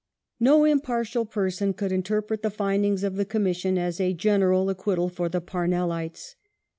No impartial person could interpret the findings of the Com mission as a general acquittal for the Parnellites.